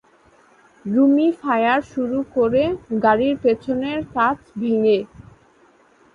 Rumi fire শুরু করে গাড়ির পেছনের কাচ ভেঙে।